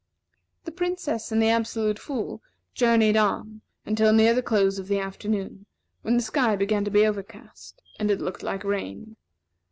The Princess and the Absolute Fool journeyed on until near the close of the afternoon, when the sky began to be overcast, and it looked like rain.